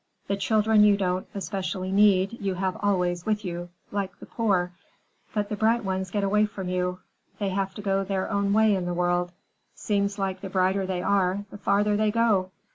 "The children you don't especially need, you have always with you, like the poor. But the bright ones get away from you. They have their own way to make in the world. Seems like the brighter they are, the farther they go.